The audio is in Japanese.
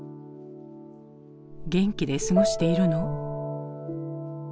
「元気で過ごしているの？」。